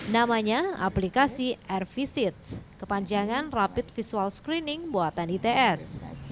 namanya aplikasi airvisit kepanjangan rapid visual screening buatan its